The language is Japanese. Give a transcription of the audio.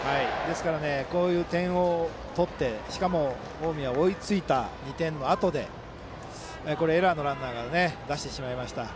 こういう点を取ってしかも近江は追いついた２点のあとでエラーのランナーを出してしまいました。